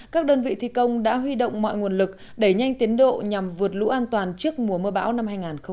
các đơn vị thi công đã huy động mọi nguồn lực đẩy nhanh tiến độ nhằm vượt lũ an toàn trước mùa mưa bão năm hai nghìn hai mươi